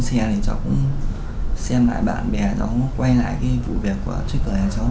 cháu lúc cháu lên xe thì cháu cũng xem lại bạn bè cháu quay lại cái vụ vẹt quả trước kể